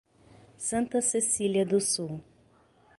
Santa Cecília do Sul